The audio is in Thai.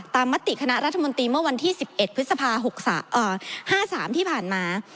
มติคณะรัฐมนตรีเมื่อวันที่๑๑พฤษภา๕๓ที่ผ่านมา